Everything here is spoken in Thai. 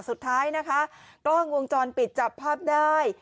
สุดท้ายนะคะกล้องวงจรปิดจับภาพได้